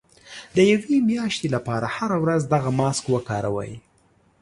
د يوې مياشتې لپاره هره ورځ دغه ماسک وکاروئ.